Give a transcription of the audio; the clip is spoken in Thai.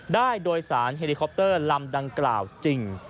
ได้โดยสารเฮลิคอปเตอร์ลำดังกล่าวจริง